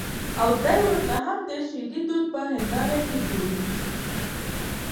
او دى ورته هم د شعري دود په هېنداره کې ګوري.